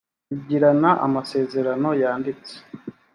bigirana amasezerano yanditse